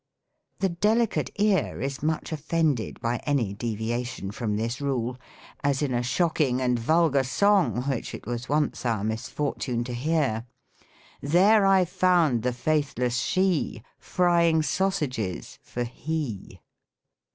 The delicate ear is much offended by any deviation from this rule : as, in a shocking and vulgar song which it was once our misfortune to hear :—" There I found the faithless she Frying sausages ybr he."